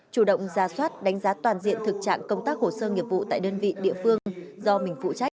chủ động ra soát đánh giá toàn diện thực trạng công tác hồ sơ nghiệp vụ tại đơn vị địa phương do mình phụ trách